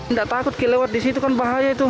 nggak takut lewat disitu kan bahaya itu